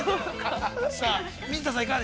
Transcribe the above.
さあ、水田さん。